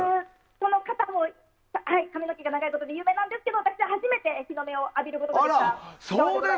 その方も髪の毛が長いことで有名ですが私は初めて日の目を浴びることができました。